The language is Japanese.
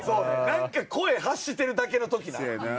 なんか声発してるだけの時なあのね。